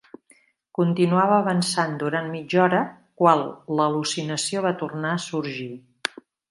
Continuava avançant durant mitja hora qual l'al·lucinació va tornar a sorgir.